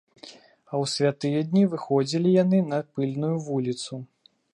А ў святыя дні выходзілі яны на пыльную вуліцу.